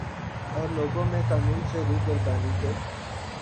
اور لوگوں میں قانون سے روگردانی کے